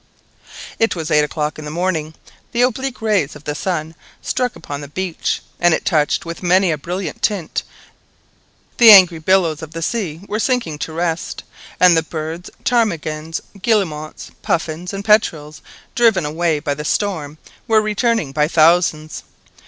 It was eight o'clock in the morning; the oblique rays of the sun struck upon the beach, and touched it with many a brilliant tint, the angry billows of the sea were sinking to rest, and the birds, ptarmigans, guillemots, puffins, and petrels, driven away by the storm, were returning by thousands.